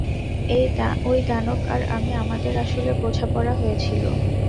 ওই দানব আর আমি, আমাদের আসলে বোঝাপড়া হয়েছিল।